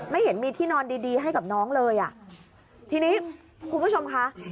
เห็นมีที่นอนดีดีให้กับน้องเลยอ่ะทีนี้คุณผู้ชมคะ